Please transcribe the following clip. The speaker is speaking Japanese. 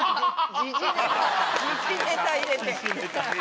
時事ネタ入れて。